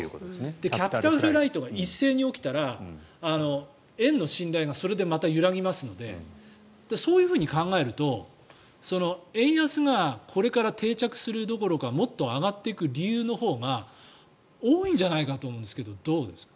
キャピタルフライトが一斉に起きたら、円の信頼がそれでまた揺らぎますのでそう考えると円安がこれから定着するどころかもっと上がっていく理由のほうが多いんじゃないかと思うんですがどうですか。